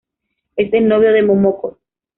Es el novio de Momoko.